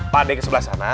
pak de ke sebelah sana